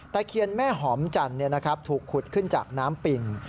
เคียนแม่หอมจันทร์ถูกขุดขึ้นจากน้ำปิ่ง